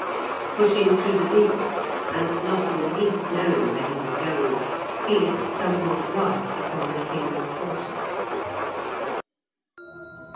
Pushing through the groups, and not in the least knowing where he was going, Felix stumbled at last upon the king's quarters.